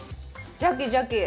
シャキシャキ。